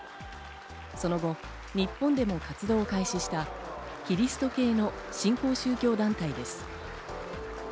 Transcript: その後、日本でも活動を開始したキリスト系の新興宗教団体です。